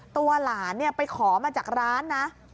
ตัวหลานไปขอมาจากร้านนะ